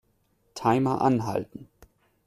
Timer anhalten.